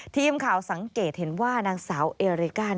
ทีมข่าวสังเกตเห็นว่านางสาวเอริกา